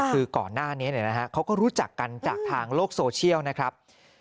คือก่อนหน้านี้เขาก็รู้จักกันจากทางโลกโซเชียลนะครับ